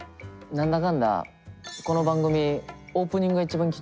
何だかんだ。